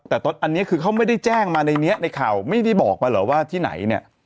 แต่อันนี้คือเขาไม่ได้แจ้งมาในนี้ในข่าวไม่ได้บอกมาเหรอว่าที่ไหนเนี่ย